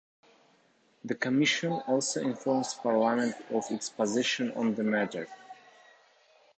The Commission also informs Parliament of its position on the matter.